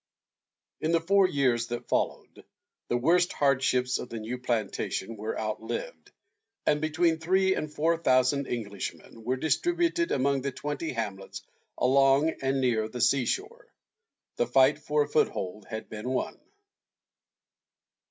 In the four years that followed, the worst hardships of the new plantation were outlived, and between three and four thousand Englishmen were distributed among the twenty hamlets along and near the sea shore. The fight for a foothold had been won.